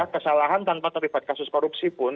kesalahan tanpa terlibat kasus korupsi pun